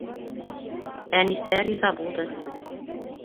Әнисә риза булды.